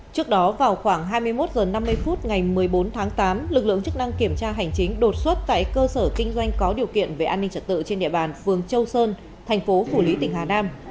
trước đó vào khoảng hai mươi một h năm mươi phút ngày một mươi bốn tháng tám lực lượng chức năng kiểm tra hành chính đột xuất tại cơ sở kinh doanh có điều kiện về an ninh trật tự trên địa bàn phường châu sơn thành phố phủ lý tỉnh hà nam